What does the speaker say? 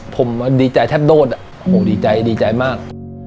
ผมดีใจแทบโดดโหดีใจดีใจมาก